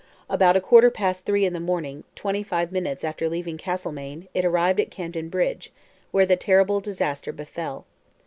About a quarter past three in the morning, twenty five minutes after leaving Castlemaine, it arrived at Camden Bridge, where the terrible disaster befell.